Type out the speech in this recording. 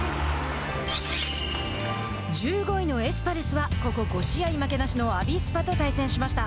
１５位のエスパルスはここ５試合負けなしのアビスパと対戦しました。